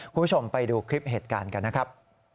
คุณผู้ชมไปดูคลิปเหตุการณ์กันนะครับ